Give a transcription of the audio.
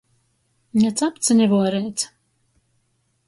Ni capts, ni vuoreits.